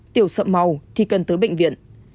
tiểu sậm màu thì cần tới bệnh viện